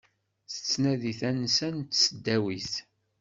Nettnadi tansa n tesdawit.